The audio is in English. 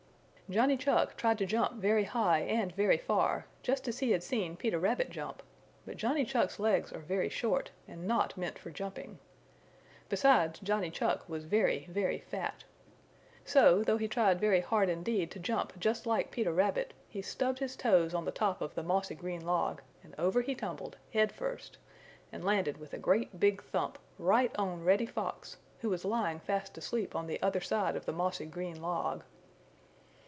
Johnny Chuck tried to jump very high and very far, just as he had seen Peter Rabbit jump, but Johnny Chuck's legs are very short and not meant for jumping. Besides, Johnny Chuck was very, very fat. So though he tried very hard indeed to jump just like Peter Rabbit, he stubbed his toes on the top of the mossy green log and over he tumbled, head first, and landed with a great big thump right on Reddy Fox, who was lying fast asleep on the other side of the mossy green log.